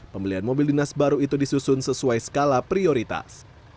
pembelian mobil dinas baru itu disusun sesuai skala prioritas